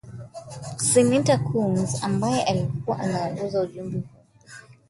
Seneta Coons ambaye alikuwa anaongoza ujumbe huo wa wabunge na maseneta alikutana na vigogo hao wawili